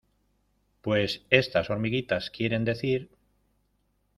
pues estas hormiguitas quieren decir